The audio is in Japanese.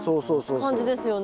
感じですよね。